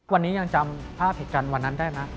วันนี้ยังจำภาพเหตุการณ์วันนั้นได้ไหม